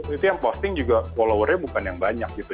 itu yang posting juga followernya bukan yang banyak gitu